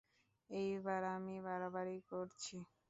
এইবার আমি বাড়াবাড়ি করছি?